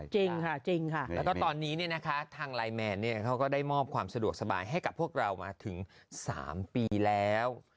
จริงค่ะจริงค่ะแล้วก็ตอนนี้ทางไลน์แมนเขาก็ได้มอบความสะดวกสบายให้กับพวกเรามาถึง๓ปีแล้ว